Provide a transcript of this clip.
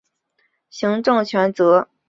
行政权则由斯洛伐克总理领导的政府行使。